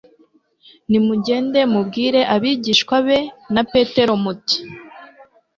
nimugende mubwire abigishwa be na petero muti